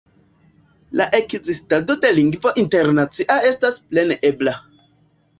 La ekzistado de lingvo internacia estas plene ebla.